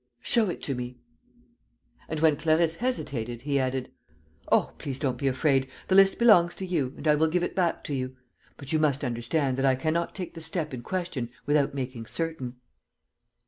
"Show it to me." And, when Clarisse hesitated, he added: "Oh, please, don't be afraid! The list belongs to you, and I will give it back to you. But you must understand that I cannot take the step in question without making certain."